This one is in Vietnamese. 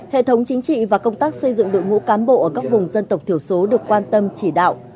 hệ thống chính trị và công tác xây dựng đội ngũ cán bộ ở các vùng dân tộc thiểu số được quan tâm chỉ đạo